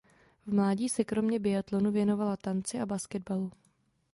V mládí se kromě biatlonu věnovala tanci a basketbalu.